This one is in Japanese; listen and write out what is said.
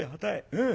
うん。